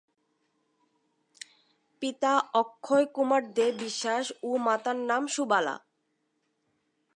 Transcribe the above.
পিতা অক্ষয়কুমার দে বিশ্বাস ও মাতার নাম সুবালা।